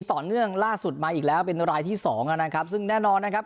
ต่อเนื่องล่าสุดมาอีกแล้วเป็นรายที่สองนะครับซึ่งแน่นอนนะครับ